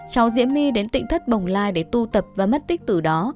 cháu diễm my đến tỉnh thất bồng lai để tu tập và mất tích từ đó